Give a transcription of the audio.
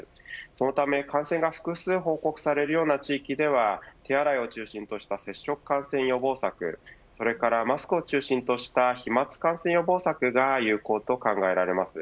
そのため感染が複数報告されるような地域では手洗いを中心とした接触感染予防策それからマスクを中心とした飛まつ感染予防策が有効と考えられます。